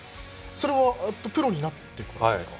それはプロになってからですか？